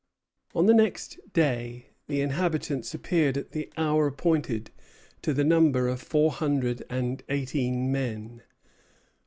On the next day the inhabitants appeared at the hour appointed, to the number of four hundred and eighteen men.